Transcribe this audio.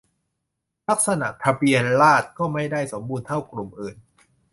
ลักษณะทะเบียนราฎษร์ก็ไม่ได้สมบูรณ์เท่ากลุ่มอื่น